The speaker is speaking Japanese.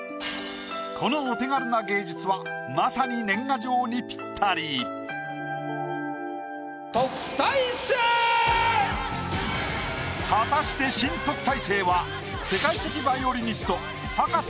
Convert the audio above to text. このお手軽な芸術はまさに果たして新特待生は世界的バイオリニスト葉加瀬